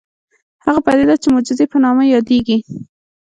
هغه پديده چې د معجزې په نامه يادېږي.